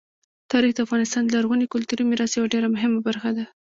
تاریخ د افغانستان د لرغوني کلتوري میراث یوه ډېره مهمه برخه ده.